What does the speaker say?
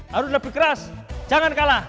harus lebih keras jangan kalah